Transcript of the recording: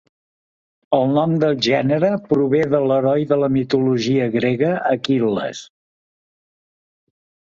El nom del gènere prové de l'heroi de la mitologia grega Aquil·les.